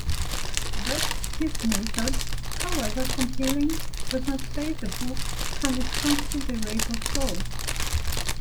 But his method, however compelling, does not save the book from its considerable flaws.